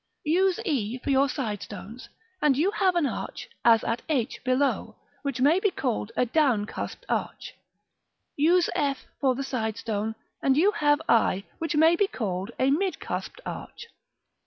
Use e for your side stones, and you have an arch as that at h below, which may be called a down cusped arch. Use f for the side stone, and you have i, which may be called a mid cusped arch.